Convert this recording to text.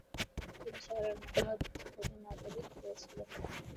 তিনি শহরের অন্যতম ধনী নাগরিক হয়েছিলেন।